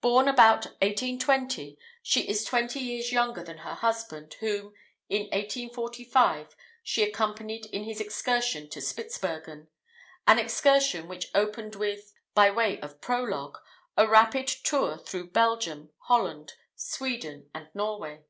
Born about 1820, she is twenty years younger than her husband, whom, in 1845, she accompanied in his excursion to Spitzbergen; an excursion which opened with, by way of prologue, a rapid tour through Belgium, Holland, Sweden, and Norway.